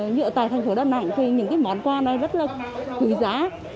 như ở tại thành phố đà nẵng thì những món quà này rất là quý giá